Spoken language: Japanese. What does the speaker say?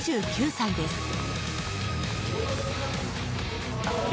２９歳です。